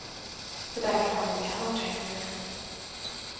But that can hardly be hoped, I fear!